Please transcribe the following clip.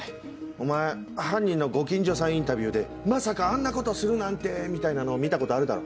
お前犯人のご近所さんインタビューで「まさかあんなことするなんて」みたいなの見たことあるだろ。